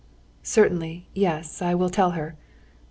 "Certainly, yes, I will tell her...."